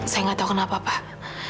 saya nggak tahu kenapa pak